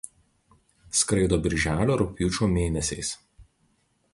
Skraido birželio–rugpjūčio mėnesiais.